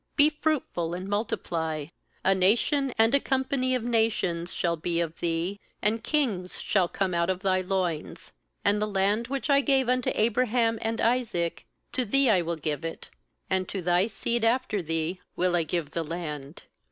Be fruitful and multiply; a nation and a company of nations shall be of thee, and kings shall come out of thy loins; ^and the land which I gave unto Abraham and Isaac, to thee I will give it, and to thy seed after thee will I give the land.'